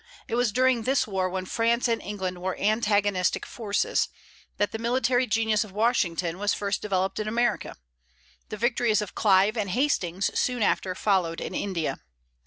It was during this war, when France and England were antagonistic forces, that the military genius of Washington was first developed in America. The victories of Clive and Hastings soon after followed in India.